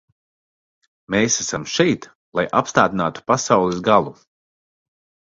Mēs esam šeit, lai apstādinātu pasaules galu.